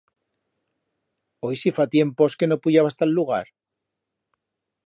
Oi si fa tiempos que no puyabas ta'l lugar!